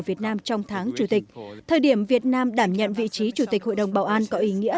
việt nam trong tháng chủ tịch thời điểm việt nam đảm nhận vị trí chủ tịch hội đồng bảo an có ý nghĩa